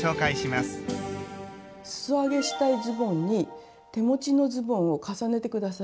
すそ上げしたいズボンに手持ちのズボンを重ねて下さい。